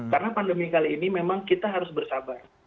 karena pandemi kali ini memang kita harus bersabar